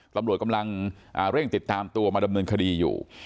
ตำรวจกำลังเร่งติดตามตัวมาดำเนินคดีอยู่